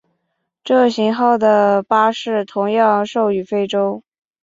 这型号的巴士同样售予非洲。